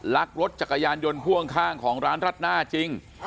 ลักรถจักรยานยนต์พ่วงข้างของร้านรัดหน้าจริง